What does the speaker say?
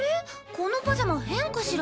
このパジャマ変かしら？